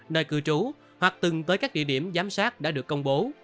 nơi cư trú hoặc từng tới các địa điểm giám sát đã được công bố